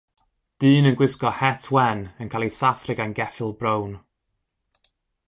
Dyn yn gwisgo het wen yn cael ei sathru gan geffyl brown.